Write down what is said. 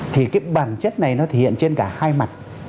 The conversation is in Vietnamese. thì cái bản chất này nó thể hiện trên cả hai mặt